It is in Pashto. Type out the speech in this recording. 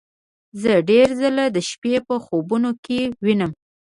زه ډیر ځله د شپې په خوبونو کې وینم